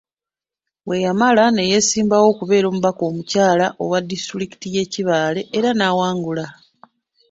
Bwe yamala ne yeesimbawo okubeera omubaka omukyala owa disitulikiti y’e Kibaale era n’awangula.